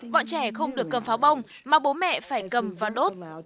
bọn trẻ không được cầm pháo bông mà bố mẹ phải cầm và đốt